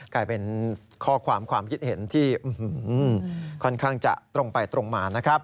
กลายเป็นข้อความความคิดเห็นที่ค่อนข้างจะตรงไปตรงมานะครับ